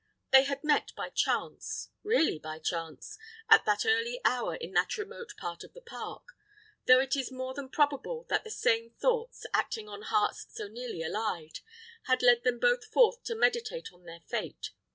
They had met by chance really by chance at that early hour in that remote part of the park; though it is more than probable that the same thoughts, acting on hearts so nearly allied, had led them both forth to meditate on their fate.